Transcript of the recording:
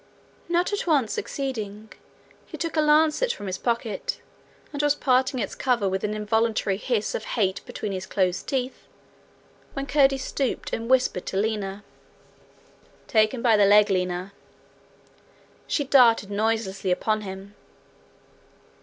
Not at once succeeding, he took a lancet from his pocket, and was parting its cover with an involuntary hiss of hate between his closed teeth, when Curdie stooped and whispered to Lina. 'Take him by the leg, Lina.' She darted noiselessly upon him.